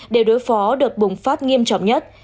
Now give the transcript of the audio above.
để đối phó đợt bùng phát nghiêm trọng nhất